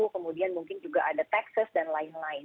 kemudian mungkin juga ada texas dan lain lain